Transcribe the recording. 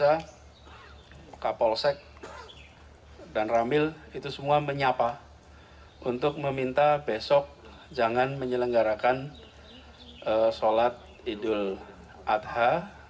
saya kapolsek dan ramil itu semua menyapa untuk meminta besok jangan menyelenggarakan sholat idul adha